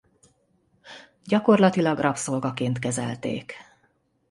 Gyakorlatilag rabszolgaként kezelték.